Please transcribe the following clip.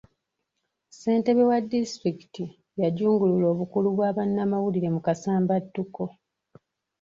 Ssentebe wa disitulikiti yajungulula obukulu bwa bannamawulire mu kasambattuko.